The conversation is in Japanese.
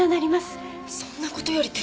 そんな事よりって。